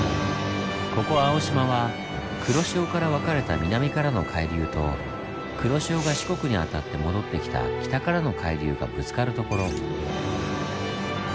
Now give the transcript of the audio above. ここ青島は黒潮から分かれた南からの海流と黒潮が四国に当たって戻ってきた北からの海流がぶつかるところ。